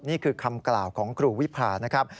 นี่คือคำกล่าวของครูวิพานะครับ